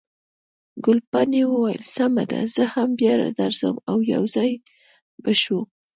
ګلپاڼې وویل، سمه ده، زه هم بیا درځم، او یو ځای به شو.